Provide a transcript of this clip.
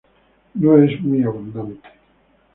No es muy abundante.